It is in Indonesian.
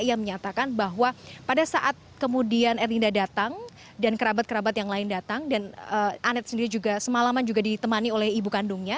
ia menyatakan bahwa pada saat kemudian erlinda datang dan kerabat kerabat yang lain datang dan anet sendiri juga semalaman juga ditemani oleh ibu kandungnya